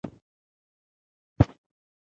کاکړ د اسلامي ارزښتونو ملاتړي دي.